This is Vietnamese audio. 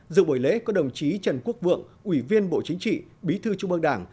dự buổi lễ có đồng chí trần quốc vượng ủy viên bộ chính trị bí thư trung ương đảng